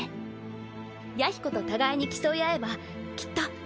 弥彦と互いに競い合えばきっと強くなれるわ。